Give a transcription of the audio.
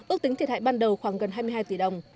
ước tính thiệt hại ban đầu khoảng gần hai mươi hai tỷ đồng